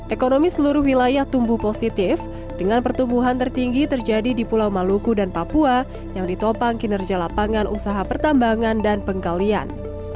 ekonomi seluruh wilayah tumbuh positif dengan pertumbuhan tertinggi terjadi di pulau maluku dan papua yang ditopang kinerja lapangan usaha pertambangan dan penggalian